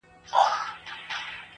• غواړي پاچا د نوي نوي هنرونو کیسې..